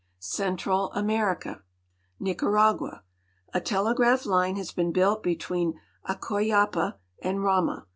CENTRAL AMERICA XrcAR.vGUA. A telegraph line has been built between Acoyapa and Rama.